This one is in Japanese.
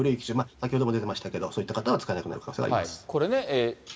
先ほども出てましたけど、そういった方は使えなくなる可能性があります。